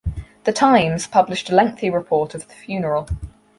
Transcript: The Times published a lengthy report of the funeral.